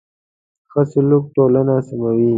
ښه سلوک ټولنه سموي.